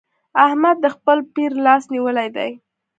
احمد د خپل پير لاس نيولی دی.